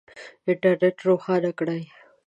انټرنېټ روښانه کړئ